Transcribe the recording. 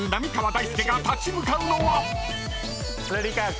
大輔が立ち向かうのは］